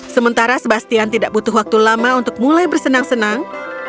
sementara sebastian tidak butuh waktu lama untuk mulai bersenang senang